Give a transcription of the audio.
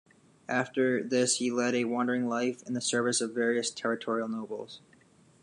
After this he led a wandering life in the service of various territorial nobles.